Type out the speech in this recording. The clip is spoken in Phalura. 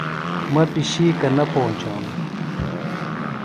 مہ پشِکہ نہ پونچانوۡ۔